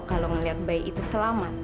kalau melihat bayi itu selamat